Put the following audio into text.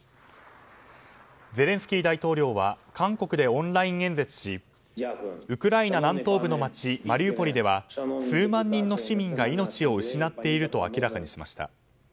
ゼレンスキー大統領は韓国でオンライン演説しウクライナ南東部の街マリウポリでは数万人の市民が命を失っていると明らかにしました。